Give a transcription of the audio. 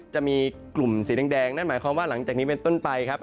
จะมีกลุ่มสีแดงนั่นหมายความว่าหลังจากนี้เป็นต้นไปครับ